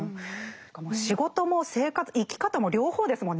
仕事も生き方も両方ですもんね。